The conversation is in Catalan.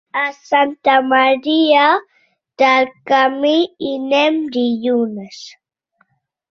A Santa Maria del Camí hi anem dilluns.